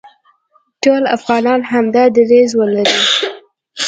ټول افغانان همدا دریځ ولري،